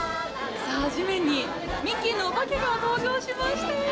地面にミッキーのお化けが登場しました。